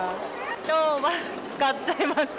きょうは使っちゃいました。